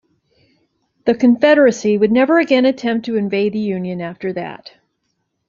The Confederacy would never again attempt to invade the Union after that.